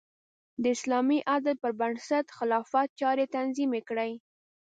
د اسلامي عدل پر بنسټ خلافت چارې تنظیم کړې.